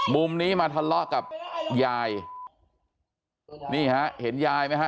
มุมนี้มาทะเลาะกับยายนี่ฮะเห็นยายไหมฮะ